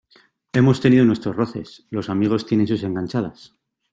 hemos tenido nuestros roces. los amigos tienen sus enganchadas